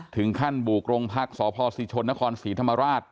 ถึงขั้นบุกโรงพักษพศิชนนครศรีธรรมราช